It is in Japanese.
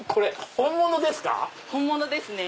本物ですね。